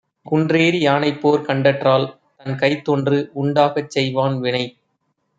குன்றேறி யானைப்போர் கண்டற்றால், தன்கைத்தொன்று உண்டாகச் செய்வான் வினை.